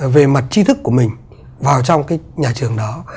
về mặt chi thức của mình vào trong cái nhà trường đó